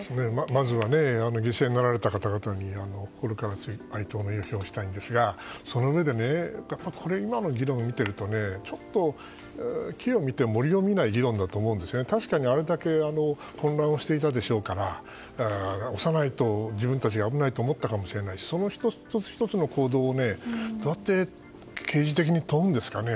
まずは、犠牲になられた方々に心から哀悼の意を表したいんですがそのうえで今の議論を見ているとちょっと木を見て森を見ない議論だと思うんですが確かにあれだけ混乱していたでしょうから押さないと自分たちが危ないと思ったかもしれないしその１つ１つの行動をどうやって刑事的に問うんですかね。